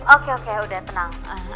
oke oke udah tenang